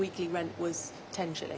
おいしい。